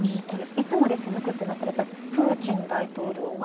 いつまで続くとなったらプーチン大統領が。